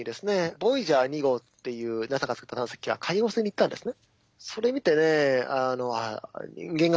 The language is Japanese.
ボイジャー２号っていうＮＡＳＡが作った探査機が海王星に行ったんですね。